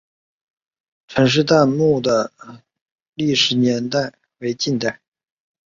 陈式坦墓的历史年代为近代。